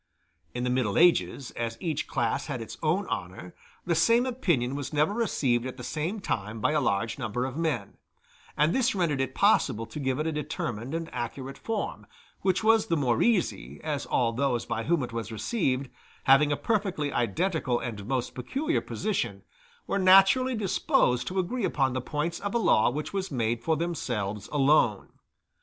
In the Middle Ages, as each class had its own honor, the same opinion was never received at the same time by a large number of men; and this rendered it possible to give it a determined and accurate form, which was the more easy, as all those by whom it was received, having a perfectly identical and most peculiar position, were naturally disposed to agree upon the points of a law which was made for themselves alone.